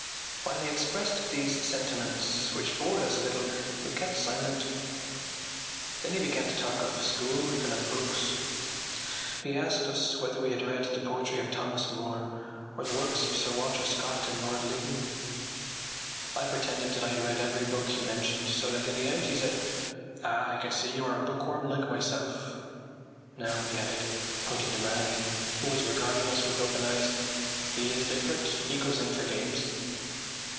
While he expressed these sentiments which bored us a little we kept silent. Then he began to talk of school and of books. He asked us whether we had read the poetry of Thomas Moore or the works of Sir Walter Scott and Lord Lytton. I pretended that I had read every book he mentioned so that in the end he said: “Ah, I can see you are a bookworm like myself. Now,” he added, pointing to Mahony who was regarding us with open eyes, “he is different; he goes in for games.